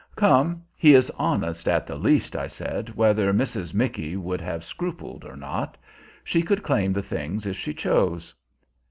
"Come, he is honest, at the least," I said, "whether Mrs. Micky would have scrupled or not. She could claim the things if she chose."